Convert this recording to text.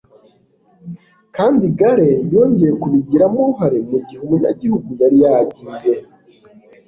Kandi Gale yongeye kubigiramo uruhare mugihe umunyagihugu yari yagiye